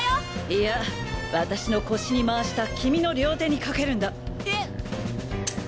いや私の腰に回したきみの両手にかけるんだ！え？